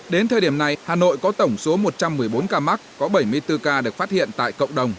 đến thời điểm này hà nội có tổng số một trăm một mươi bốn ca mắc có bảy mươi bốn ca được phát hiện tại cộng đồng